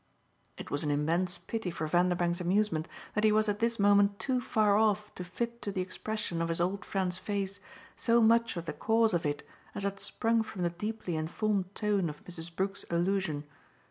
It was an immense pity for Vanderbank's amusement that he was at this moment too far off to fit to the expression of his old friend's face so much of the cause of it as had sprung from the deeply informed tone of Mrs. Brook's allusion.